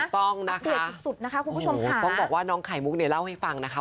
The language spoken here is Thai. ต้องนะคะต้องบอกว่าน้องไขมุกเนี่ยเล่าให้ฟังนะคะ